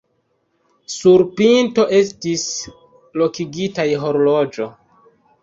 Sur pinto estis lokigitaj horloĝo.